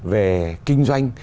về kinh doanh